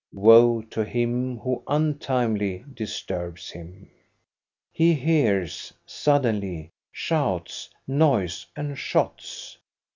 Woe to him who untimely disturbs him ! He hears, suddenly, shouts, noise, and shots.